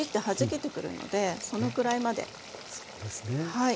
はい。